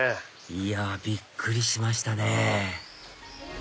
いやびっくりしましたね